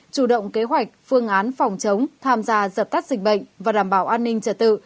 chủ động kế hoạch phương án phòng chống tham gia dập tắt dịch bệnh và đảm bảo an ninh trật tự